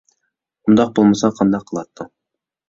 ئۇنداق بولمىساڭ قانداق قىلاتتىڭ؟